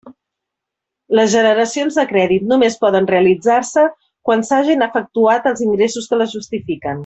Les generacions de crèdit només poden realitzar-se quan s'hagen efectuat els ingressos que les justifiquen.